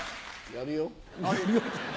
やるよ。